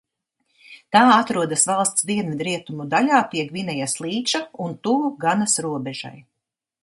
Tā atrodas valsts dienvidrietumu daļā pie Gvinejas līča un tuvu Ganas robežai.